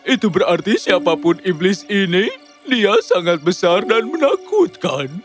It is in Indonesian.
itu berarti siapapun iblis ini dia sangat besar dan menakutkan